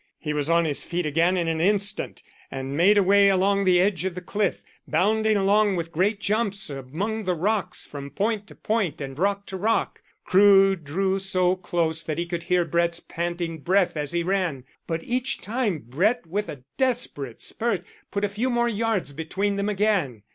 He was on his feet again in an instant, and made away along the edge of the cliff, bounding along with great jumps among the rocks from point to point and rock to rock. Crewe drew so close that he could hear Brett's panting breath as he ran, but each time Brett with a desperate spurt put a few more yards between them again.